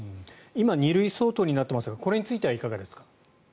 今２類相当になってますがこれについてはいかがですか？